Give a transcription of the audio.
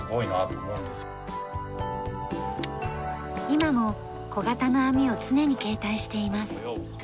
今も小型の網を常に携帯しています。